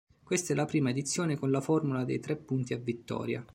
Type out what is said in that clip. Questa è la prima edizione con la formula dei tre punti a vittoria.